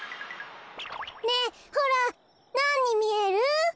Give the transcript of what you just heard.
ねえほらなんにみえる？